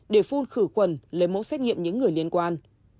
để phun khử khuẩn lấy mẫu xét nghiệm những người liên quan